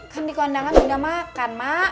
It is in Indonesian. kan di kondangan sudah makan mak